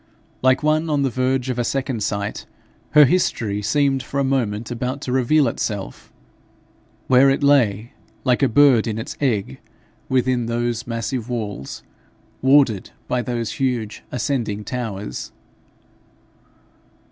Like one on the verge of a second sight, her history seemed for a moment about to reveal itself where it lay, like a bird in its egg, within those massive walls, warded by those huge ascending towers.